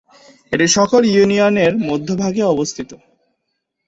এটি সকল ইউনিয়নের মধ্যভাগে অবস্থিত।